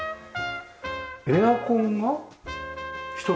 エアコンが１つ？